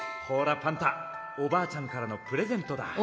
ほらパンタおばあちゃんからのプレゼントだ。